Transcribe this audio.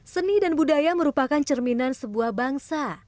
seni dan budaya merupakan cerminan sebuah bangsa